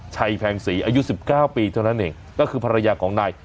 แพงศรีอายุ๑๙ปีเท่านั้นเองก็คือภรรยาของนาย